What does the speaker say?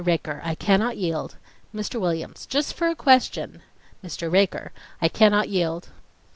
RAKER: I cannot yield. MR. WILLIAMS: Just for a question. MR. RAKER: I cannot yield